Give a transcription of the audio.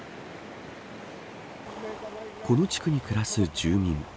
この地区に暮らす住民。